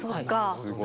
すごい。